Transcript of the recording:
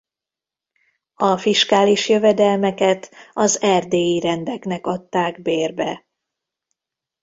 A fiskális jövedelmeket az erdélyi rendeknek adták bérbe.